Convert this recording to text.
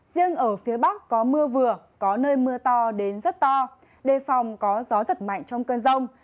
riêng ở phía bắc có mưa vừa có nơi mưa to đến rất to đề phòng có gió giật mạnh trong cơn rông